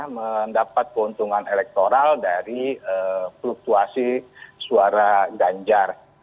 mendapat keuntungan elektoral dari fluktuasi suara ganjar